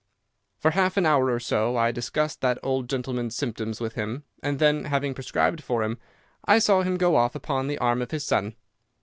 "'For half an hour or so I discussed that old gentleman's symptoms with him, and then, having prescribed for him, I saw him go off upon the arm of his son.